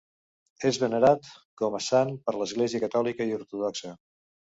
És venerat com a sant per l'església catòlica i ortodoxa.